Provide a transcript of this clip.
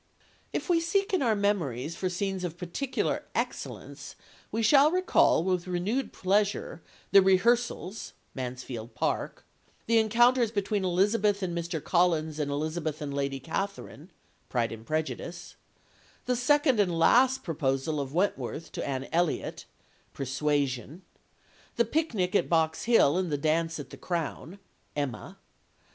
If we seek in our memories for scenes of particular excellence we shall recall with renewed pleasure the rehearsals (Mansfield Park), the encounters between Elizabeth and Mr. Collins and Elizabeth and Lady Catherine (Pride and Prejudice), the second and last proposal of Wentworth to Anne Elliot (Persuasion), the picnic at Box Hill and the dance at the "Crown" (Emma).